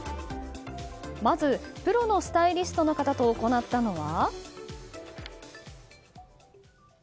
まず、プロのスタイリストの方と行ったのは。